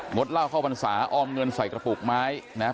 หมดเล่าเข้าพรรษาออมเงินใส่กระปุกไม้นะฮะ